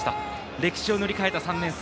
歴史を塗り替えた３年生。